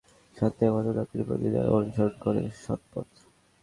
শান্তি একমাত্র তাদেরই প্রতি যারা অনুসরণ করে সৎপথ।